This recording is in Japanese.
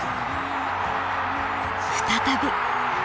再び。